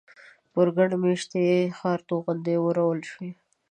پر ګڼ مېشتي ښار توغندي وورول شول.